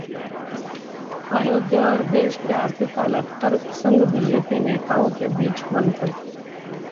अयोध्या और देश के आर्थिक हालात पर संघ-बीजेपी नेताओं के बीच मंथन